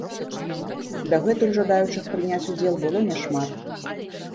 Дагэтуль жадаючых прыняць удзел было не шмат.